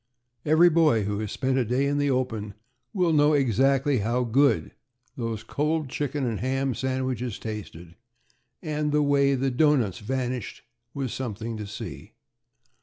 Every boy who has spent a day in the open will know exactly how good those cold chicken and ham sandwiches tasted; and the way the doughnuts vanished was something to see.